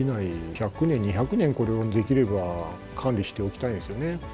１００年、２００年、これをできれば管理しておきたいですよね。